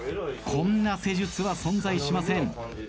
こんな施術は存在しません。